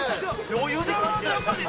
余裕で。